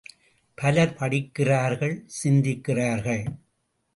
பலர் படிக்கிறார்கள் சிந்திக்கிறார்கள்.